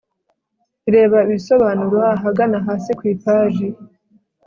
reba ibisobanuro ahagana hasi ku ipaji